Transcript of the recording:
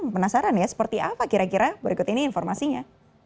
penasaran ya seperti apa kira kira berikut ini informasinya